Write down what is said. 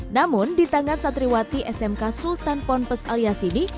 namun di tangan satriwati smk sultan ponpes alias ini